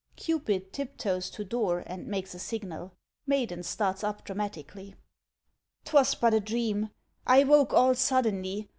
[CUPID tiptoes to door and makes a signal. MAIDEN starts up dramatically.] 'Twas but a dream! I woke all suddenly.